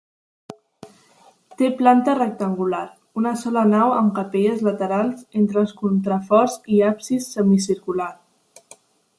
Té planta rectangular, una sola nau amb capelles laterals entre els contraforts i absis semicircular.